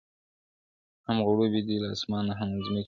هم غړومبی دی له اسمانه هم له مځکي -